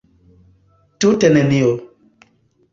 Tute nenio!